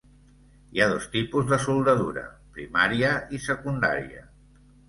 Hi ha dos tipus de soldadura, primària i secundària.